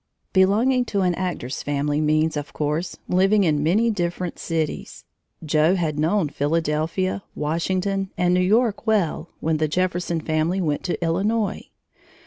Belonging to an actor's family means, of course, living in many different cities. Joe had known Philadelphia, Washington, and New York well when the Jefferson family went to Illinois.